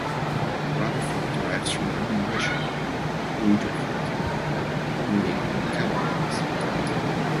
Rotherfield derives from the Old English "redrefeld" meaning "cattle lands".